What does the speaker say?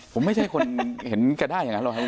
ผมไม่ใช่คนเห็นกระได้อย่างงั้น